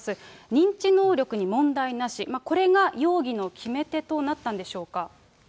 認知能力に問題なし、これが容疑の決め手となったんでしょうか。